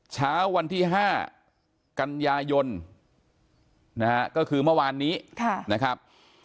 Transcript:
เช้าวันที่๕กันยายนนะฮะก็คือเมื่อวานนี้นะครับ